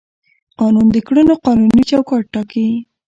قانون د کړنو قانوني چوکاټ ټاکي.